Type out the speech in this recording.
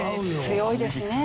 強いですね。